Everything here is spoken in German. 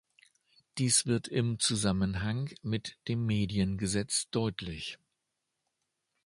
Dies wird im Zusammenhang mit dem Mediengesetz deutlich.